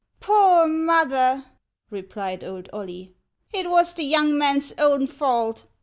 ''Poor mother!" replied old Oily, "it was the young man's own fault.